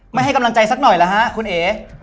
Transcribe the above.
ไม่ให้กำลังใจสักหน่อยเหรอฮะคุณเอ๋